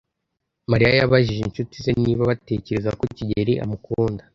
Mariya yabajije inshuti ze niba batekereza ko kigeli amukunda.